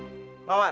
terima kasih war